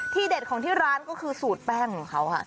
เด็ดของที่ร้านก็คือสูตรแป้งของเขาค่ะ